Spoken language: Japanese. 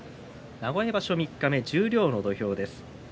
名古屋場所三日目十両の土俵です。